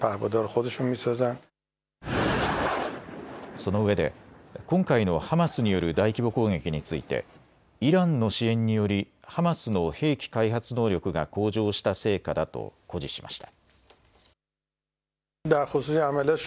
そのうえで今回のハマスによる大規模攻撃についてイランの支援によりハマスの兵器開発能力が向上した成果だと誇示しました。